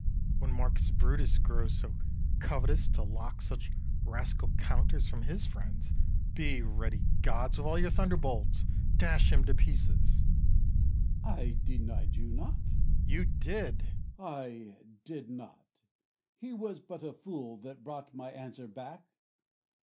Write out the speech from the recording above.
When Marcus Brutus grows so covetous, To lock such rascal counters from his friends, Be ready, gods, with all your thunderbolts; Dash him to pieces! Cas. I denied you not. Bru. You did. Cas. I did not: he was but a fool that brought My answer back.